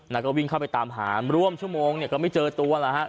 นางก็วิ่งเข้าไปตามหาร่วมชั่วโมงก็ไม่เจอตัวแล้ว